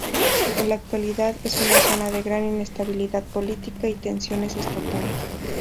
En la actualidad, es una zona de gran inestabilidad política y tensiones estatales.